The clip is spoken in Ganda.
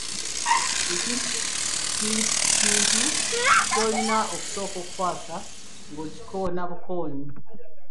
Kintu ky’olina okusooka okwasa ng’okikoona bukoonyi.